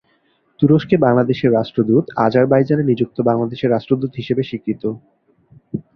তুরস্কে বাংলাদেশের রাষ্ট্রদূত আজারবাইজানে নিযুক্ত বাংলাদেশের রাষ্ট্রদূত হিসাবে স্বীকৃত।